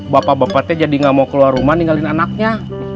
bapak bapaknya jadi ga mau keluar rumah ninggalin anaknya